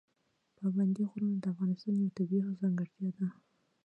پابندی غرونه د افغانستان یوه طبیعي ځانګړتیا ده.